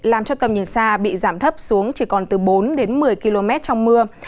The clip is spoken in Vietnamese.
làm cho tầm nhìn xa bị giảm thấp xuống chỉ còn từ bốn đến một mươi km trong mưa